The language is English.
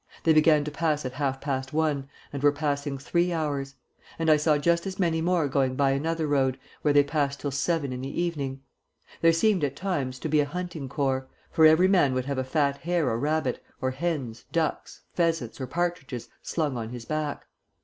They began to pass at half past one, and were passing three hours; and I saw just as many more going by another road, where they passed till seven in the evening. There seemed, at times, to be a hunting corps, for every man would have a fat hare or rabbit, or hens, ducks, pheasants, or partridges slung on his back.